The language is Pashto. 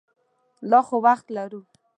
لا خو وخت لرو.